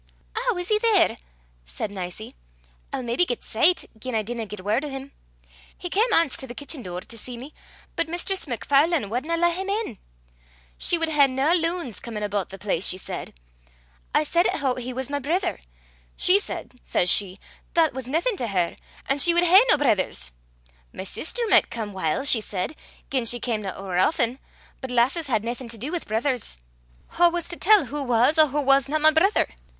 "Ow, is he there?" said Nicie. "I'll maybe get sicht, gien I dinna get word o' him. He cam ance to the kitchie door to see me, but Mistress MacFarlane wadna lat him in. She wad hae nae loons comin' aboot the place she said. I said 'at hoo he was my brither. She said, says she, that was naething to her, an' she wad hae no brithers. My sister micht come whiles, she said, gien she camna ower aften; but lasses had naething to dee wi' brithers. Wha was to tell wha was or wha wasna my brither?